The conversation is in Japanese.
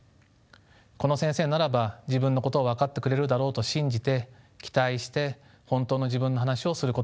この先生ならば自分のことを分かってくれるだろうと信じて期待して本当の自分の話をすることと思います。